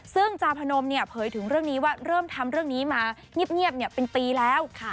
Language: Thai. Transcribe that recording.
ซึ่งจาพนมเผยถึงเรื่องนี้ว่าเริ่มทำเรื่องนี้มาเงียบเป็นปีแล้ว